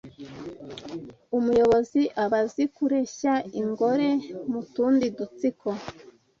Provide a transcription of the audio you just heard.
Umuyobozi aba azi kureshya ingore mu tundi dutsiko